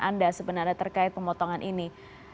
anda sebenarnya terkait pemotongan ini